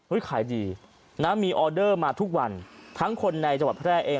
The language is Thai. ขายดีนะมีออเดอร์มาทุกวันทั้งคนในจังหวัดแพร่เอง